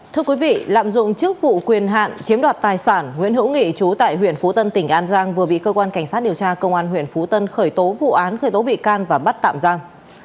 thưa quý vị lạm dụng chức vụ quyền hạn chiếm đoạt tài sản nguyễn hữu nghị chú tại huyện phú tân tỉnh an giang vừa bị cơ quan cảnh sát điều tra công an huyện phú tân khởi tố vụ án khởi tố bị can và bắt tạm giam